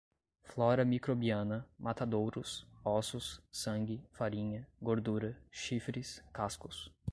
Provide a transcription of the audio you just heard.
flora microbiana, matadouros, ossos, sangue, farinha, gordura, chifres, cascos